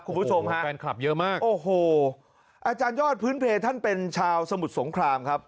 คุณผู้ชมฮะแฟนคลับเยอะมากโอ้โหอาจารยอดพื้นเพลท่านเป็นชาวสมุทรสงครามครับ